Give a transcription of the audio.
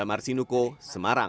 ini nuko semarang